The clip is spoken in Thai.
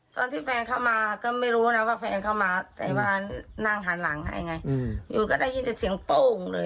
ตอนที่แฟนเข้ามาก็ไม่รู้นะว่าแฟนเข้ามาแต่ว่านั่งหันหลังให้ไงอยู่ก็ได้ยินแต่เสียงโป้งเลย